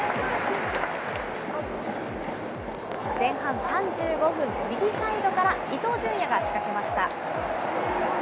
前半３５分、右サイドから伊東純也が仕掛けました。